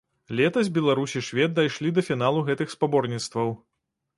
Летась беларус і швед дайшлі да фіналу гэтых спаборніцтваў.